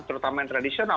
terutama yang tradisional